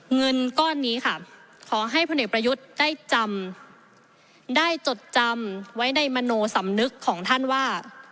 เงินก้อนนี้ค่ะขอให้พลเอกประยุทธ์ได้จำได้จดจำไว้ในมโนสำนึกของท่านว่า